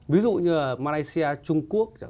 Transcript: ví dụ như là malaysia trung quốc